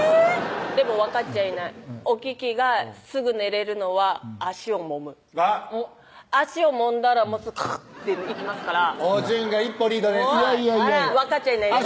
でも分かっちゃいないおききがすぐ寝れるのは足をもむ足をもんだらすぐカーッていきますからおじゅんが一歩リードです分かっちゃいないです